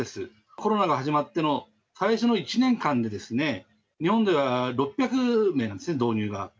コロナが始まっての最初の１年間で日本では６００名なんですね、導入が。